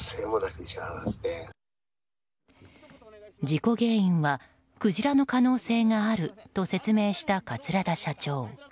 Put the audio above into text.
事故原因はクジラの可能性があると説明した桂田社長。